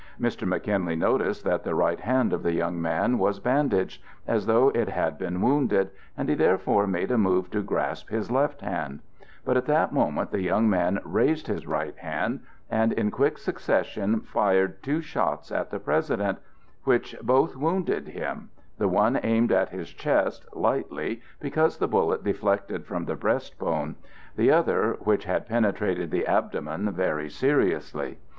Mr. McKinley noticed that the right hand of the young man was bandaged, as though it had been wounded, and he therefore made a move to grasp his left hand; but at that moment the young man raised his right hand, and in quick succession fired two shots at the President, which both wounded him,—the one aimed at his chest, lightly, because the bullet deflected from the breastbone; the other, which had penetrated the abdomen, very seriously.